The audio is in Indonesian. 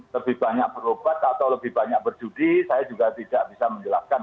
lebih banyak berobat atau lebih banyak berjudi saya juga tidak bisa menjelaskan